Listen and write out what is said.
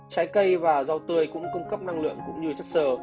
trái cây và rau tươi cũng cung cấp năng lượng cũng như chất sờ